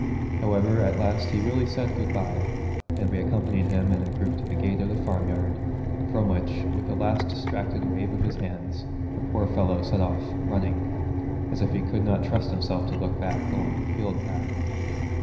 However, at last he really said good bye, and we accompanied him in a group to the gate of the farmyard, from which, with a last distracted wave of his hands, the poor fellow set off, running, as if he could not trust himself to look back, along the field path.